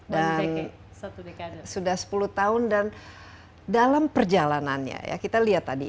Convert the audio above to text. dari sudah sepuluh tahun dan dalam perjalanannya ya kita lihat tadi